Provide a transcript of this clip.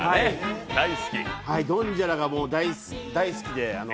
ドンジャラが大好きで。